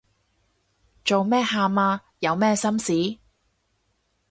做咩喊啊？有咩心事